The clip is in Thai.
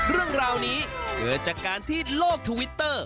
เรื่องราวนี้เกิดจากการที่โลกทวิตเตอร์